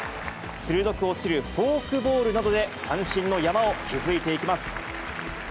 鋭く落ちるフォークボールなどで、三振の山を築いていきます。